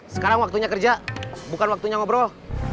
sekarang waktunya kerja bukan waktunya ngobrol